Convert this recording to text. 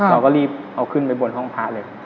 เราก็รีบเอาขึ้นไปบนห้องพระเลย